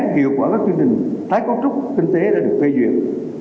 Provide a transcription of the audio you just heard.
hiệu quả các chương trình tái cấu trúc kinh tế đã được phê duyệt